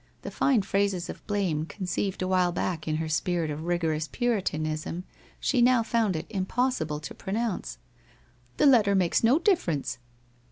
The fine phrases of blame conceived awhile back in her spirit of rigorous Puritanism she now found it impossible to pronounce. ' The letter makes no difference.'